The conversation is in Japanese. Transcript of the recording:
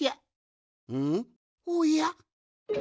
おや？